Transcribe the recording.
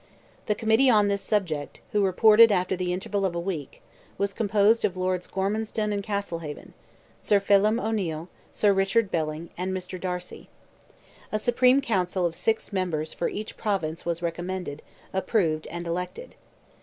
The committee on this subject, who reported after the interval of a week, was composed of Lords Gormanstown and Castlehaven, Sir Phelim O'Neil, Sir Richard Belling, and Mr. Darcy. A "Supreme Council" of six members for each province was recommended, approved, and elected.